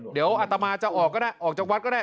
เดี๋ยวอัตมาจะออกก็ได้ออกจากวัดก็ได้